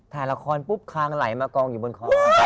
ถ่ายละครปุ๊บคางไหลมากองอยู่บนคอ